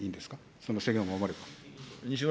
その制限を守れば。